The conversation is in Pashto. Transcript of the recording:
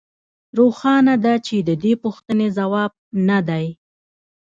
روښانه ده چې د دې پوښتنې ځواب نه دی